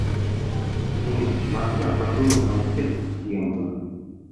Миңә, матур ғына подругаңды алып кил, тигән була.